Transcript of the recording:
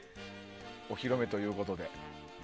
お披露目ということで。